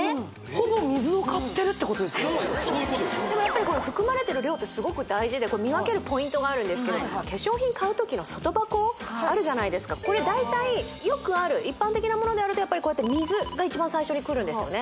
ほぼ水を買ってるってことですかそういうことでしょうでもやっぱり含まれてる量ってすごく大事で化粧品買う時の外箱あるじゃないですかこれ大体よくある一般的なものであるとやっぱりこうやって水が一番最初にくるんですよね